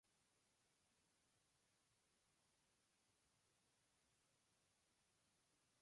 Es un cantante, compositor, músico y guitarrista filipino.